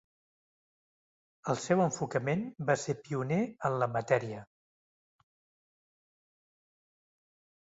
El seu enfocament va ser pioner en la matèria.